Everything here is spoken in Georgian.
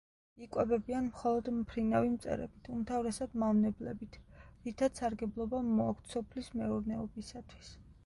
იკვებებიან მხოლოდ მფრინავი მწერებით, უმთავრესად მავნებლებით, რითაც სარგებლობა მოაქვთ სოფლის მეურნეობისათვის.